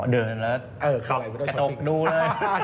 อ๋อเดินแล้วจบดูเลย